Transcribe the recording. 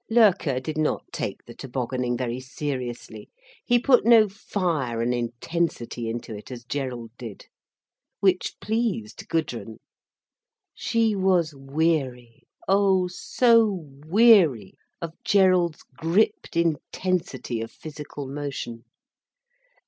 Loerke did not take the toboganning very seriously. He put no fire and intensity into it, as Gerald did. Which pleased Gudrun. She was weary, oh so weary of Gerald's gripped intensity of physical motion.